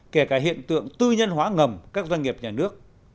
kể cả hiện tượng tư nhân hóa ngầm các doanh nghiệp nhà nước